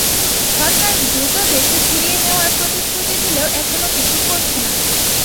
সরকার দ্রুত দেশে ফিরিয়ে নেওয়ার প্রতিশ্রুতি দিলেও এখনো কিছু করছে না।